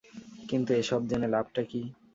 কিন্তু এসব জেনে লাভটা কী।